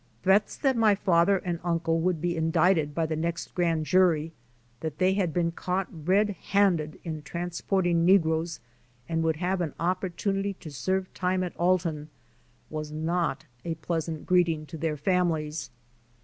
Threats that my father and uncle would be indicted by the next grand jury, that they had been caught red handed in transporting negroes and would have an opportunity to serve time at Alton, was not a pleasant greeting to their families.